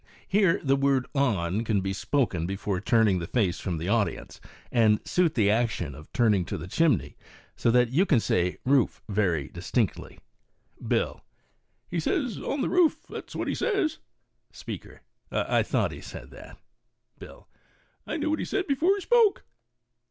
Here the word"o?i" can be spoken before turning the face from the audience, and suit the action of turning to the chimney so that you can say "roo/" very distinctly. Bill. " He says • on the roof/ that's wh t he says." Speaker. "I thought he said that." Bill. " I knew what ho said before he spoke."